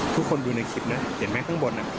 ทุกคนดูในคลิปนะเห็นไหมข้างบน